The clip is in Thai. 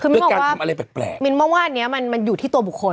แม้ว่างามว่าอันนี้มันอยู่ที่ตัวบุคคล